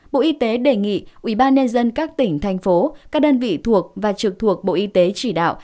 bộ y tế đề nghị ubnd các tỉnh thành phố các đơn vị thuộc và trực thuộc bộ y tế chỉ đạo